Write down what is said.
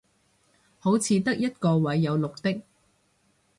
好似得一個位有綠的